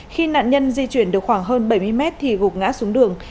khi nạn nhân di chuyển được khoảng hơn bảy mươi mét thì gục ngã xuống đường